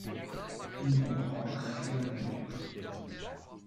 Il ne comprend rien à la guerre.